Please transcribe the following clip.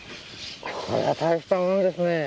これは大したもんですね。